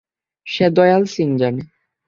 সে দয়াল সিং জানে।